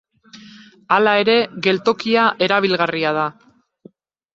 Hala ere, geltokia erabilgarria da.